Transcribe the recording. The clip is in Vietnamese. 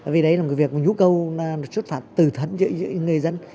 vì đấy là một việc nhu cầu xuất phạt từ thận giữa người dân